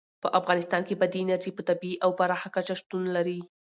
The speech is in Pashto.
په افغانستان کې بادي انرژي په طبیعي او پراخه کچه شتون لري.